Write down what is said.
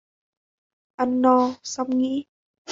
Ăn no, xong nghĩ